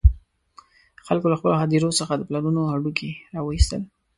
خلکو له خپلو هدیرو څخه د پلرونو هډوکي را وویستل.